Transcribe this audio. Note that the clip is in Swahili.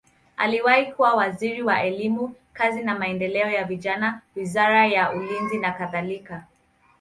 Aliwahi kuwa waziri wa elimu, kazi na maendeleo ya vijana, wizara ya ulinzi nakadhalika.